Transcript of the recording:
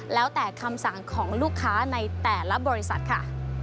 แล้วแต่คำสั่งของลูกค้าในแต่ละบริษัทค่ะ